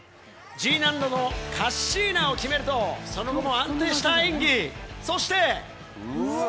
Ｇ難度のカッシーナを決めると、その後も安定した演技、そして。